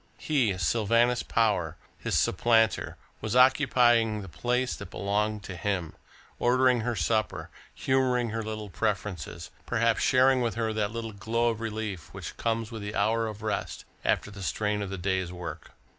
He, Sylvanus Power, his supplanter, was occupying the place that belonged to him, ordering her supper, humouring her little preferences, perhaps sharing with her that little glow of relief which comes with the hour of rest, after the strain of the day's work.